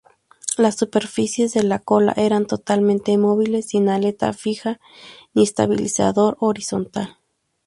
Las superficies de la cola eran totalmente móviles, sin aleta fija ni estabilizador horizontal.